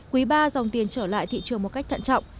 quý ba dòng tiền trở lại thị trường một cách thận trọng